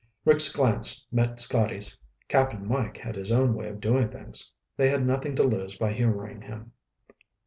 Rick's glance met Scotty's. Cap'n Mike had his own way of doing things. They had nothing to lose by humoring him.